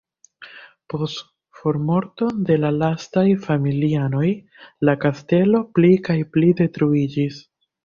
Post formorto de la lastaj familianoj la kastelo pli kaj pli detruiĝis.